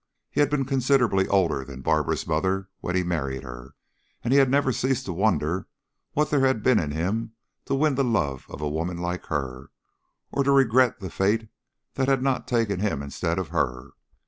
He had been considerably older than Barbara's mother when he married her, and he had never ceased to wonder what there had been in him to win the love of a woman like her, or to regret that fate had not taken him instead of her.